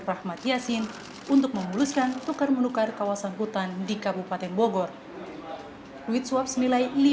rahmat yassin untuk memuluskan tukar menukar kawasan hutan di kabupaten bogor uitswap semilai